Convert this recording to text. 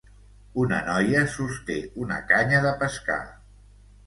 Una noia sosté una canya de pescar.